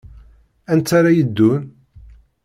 Anta ara yeddun?